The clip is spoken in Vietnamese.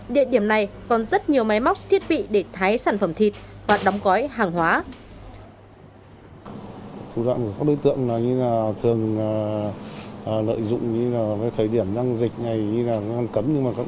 địa điểm này còn rất nhiều máy móc thiết bị để tái sản phẩm thịt và đóng gói hàng hóa